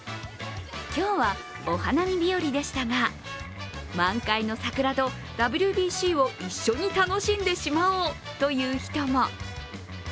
今日はお花見日和でしたが、満開の桜とＷＢＣを一緒に楽しんでしまおうという人も。